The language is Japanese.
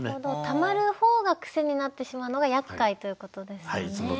たまる方が癖になってしまうのがやっかいということですよね。